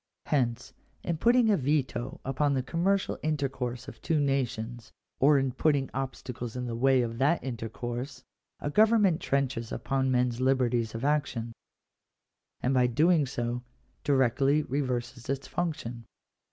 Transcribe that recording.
Hence, in putting a veto upon the commercial intercourse of two nations, or in putting obstacles in the way of that in tercourse, a government trenches upon men s liberties of action ; and by so doing directly reverses its function.